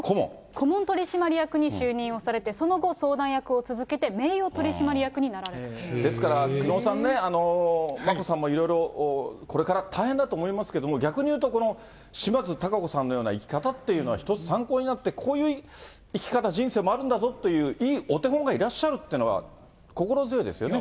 顧問取締役に就任をされて、その後、相談役を続けて、ですから久能さんね、眞子さんもいろいろ、これから大変だと思いますけども、逆に言うとこの島津貴子さんのような生き方っていうのは一つ参考になって、こういう生き方、人生もあるんだぞっていういいお手本がいらっしゃるっていうのは、心強いですよね。